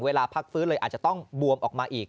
เวลาพักฟื้นเลยอาจจะต้องบวมออกมาอีก